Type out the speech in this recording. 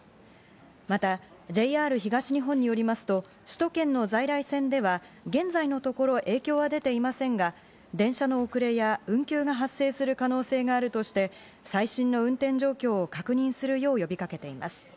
またＪＲ東日本によりますと、首都圏の在来線では現在のところ影響は出ていませんが、電車の遅れや運休が発生する可能性があるとして、最新の運転状況を確認するよう呼びかけています。